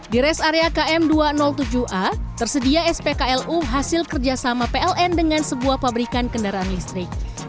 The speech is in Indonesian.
di res area km dua ratus tujuh a tersedia spklu hasil kerjasama pln dengan sebuah pabrikan kendaraan listrik